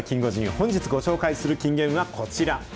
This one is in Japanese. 本日ご紹介する金言はこちら。